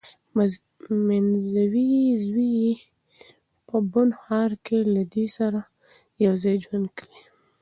منځوی زوی یې په بن ښار کې له دې سره یوځای ژوند کوي.